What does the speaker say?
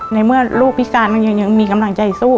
ในเมื่อลูกพิการมันยังมีกำลังใจสู้